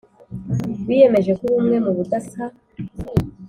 Biyemeje ko ubumwe mu budasa